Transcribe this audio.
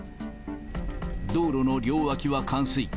道路の両脇は冠水。